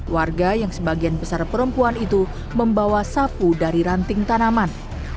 warga yang sebagian besar perempuan itu membawa sapu dari ranting tanaman